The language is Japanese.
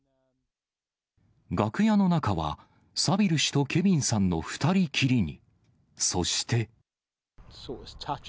楽屋の中は、サビル氏とケビンさんの２人きりに。